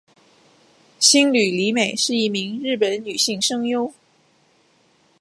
兴梠里美是一名日本女性声优。